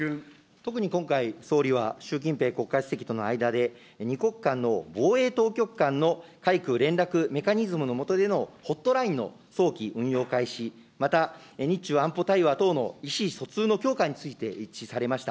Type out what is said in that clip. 特に今回、総理は習近平国家主席との間で、２国間の防衛当局間の海空連絡メカニズムのもとでのホットラインの早期運用開始、また日中安保対話等の意思疎通の強化について一致されました。